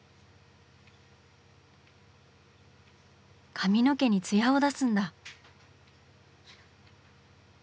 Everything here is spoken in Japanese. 髪の毛にツヤを出すんだ。